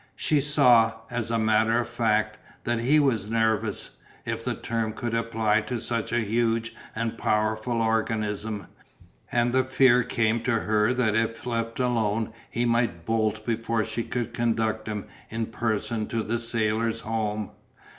She saw, as a matter of fact, that he was nervous, if the term could apply to such a huge and powerful organism, and the fear came to her that if left alone he might bolt before she could conduct him in person to the Sailors' Home.